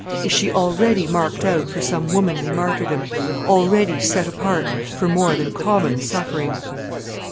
Is she already marked out for some womanly martyrdom already set apart for more than common suffering?